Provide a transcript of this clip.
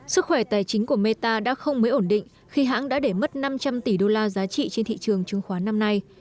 sức khỏe tài chính của meta đã không mới ổn định khi hãng đã để mất năm trăm linh tỷ đô la giá trị trên thị trường chứng khoán năm nay